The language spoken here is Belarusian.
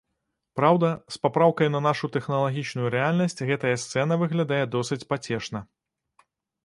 Праўда, з папраўкай на нашу тэхналагічную рэальнасць гэтая сцэна выглядае досыць пацешна.